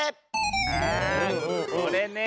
あこれね。